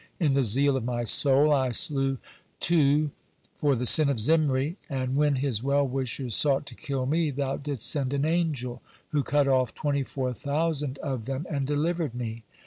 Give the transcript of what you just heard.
In the zeal of my soul I slew two for the sin of Zimri, and when his well wishers sought to kill me, Thou didst send an angel, who cut off twenty four thousand of them and delivered me.